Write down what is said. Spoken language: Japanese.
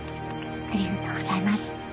ありがとうございます。